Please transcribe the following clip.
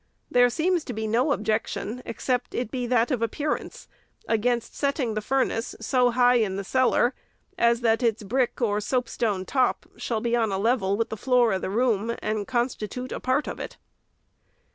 There seems to be no objection, ON SCHOOLHOUSES. 447 except it be that of appearance, against setting the furnace so high in the cellar, as that its brick or soapstone top shall be on a level with the floor of the room, and consti tute a part of it.